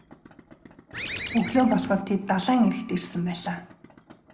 Өглөө болоход тэд далайн эрэгт ирсэн байлаа.